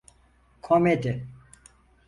Komedi.